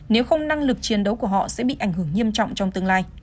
nếu không năng lực chiến đấu của họ sẽ bị ảnh hưởng nghiêm trọng trong tương lai